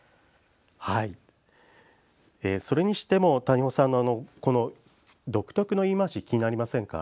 それにしても谷保さんの独特の言い回し気になりませんか？